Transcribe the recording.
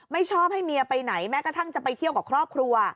ชอบให้เมียไปไหนแม้กระทั่งจะไปเที่ยวกับครอบครัว